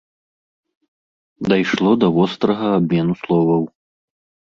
Дайшло да вострага абмену словаў.